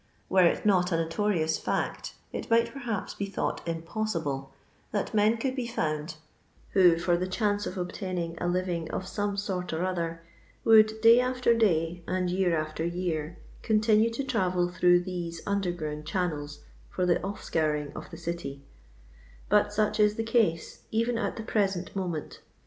Were it not a notorioos fiict, it might perhape be thought impossible, that men could be found who, for the chance of obtaining a living of some sort or other, would, day after day, and year after year, continoe to travel through these undefgroond channels for the offnouring of the city ; but sock is the case even at the present moment.